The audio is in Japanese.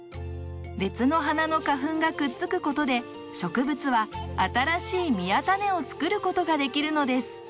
別のはなの花粉がくっつくことで植物は新しい実や種を作ることができるのです。